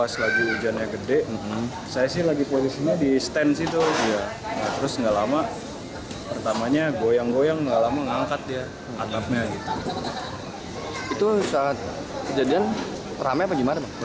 saat kejadian rame apa gimana bang